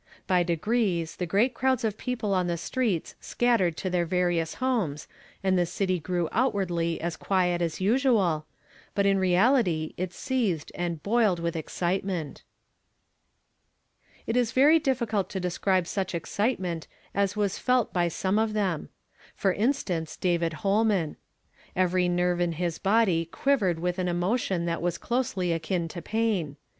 By degrees the great crowds of people on the streets scattered to their various homes, and the city grew outwardly as quiet as usual, but in reality it seethed and boiled with excitement. It is very difficult to describe such excitement as was felt by some of them ; for instance, David Holman. Every nerve in liis body quivered with an emotion that was closely akin to pain.